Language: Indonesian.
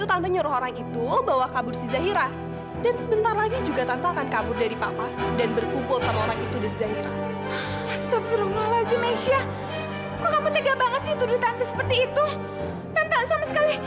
tante seperti itu tante sama sekali